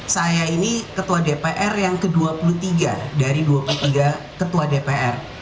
saya ini ketua dpr yang ke dua puluh tiga dari dua puluh tiga ketua dpr